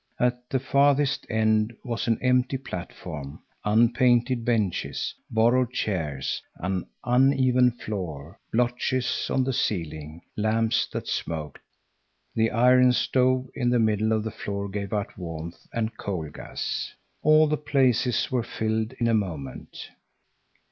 At the farthest end was an empty platform; unpainted benches, borrowed chairs, an uneven floor, blotches on the ceiling, lamps that smoked. The iron stove in the middle of the floor gave out warmth and coal gas. All the places were filled in a moment.